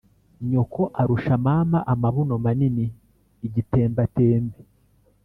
Nyoko arusha mama amabuno manini-Igitembatembe.